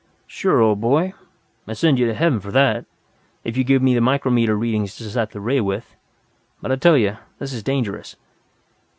"Sure, old boy. I'd send you to heaven for that, if you'd give me the micrometer readings to set the ray with. But I tell you, this is dangerous.